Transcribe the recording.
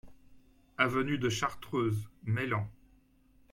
Avenue de Chartreuse, Meylan